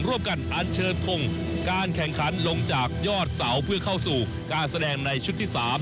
อันเชิญทงการแข่งขันลงจากยอดเสาเพื่อเข้าสู่การแสดงในชุดที่๓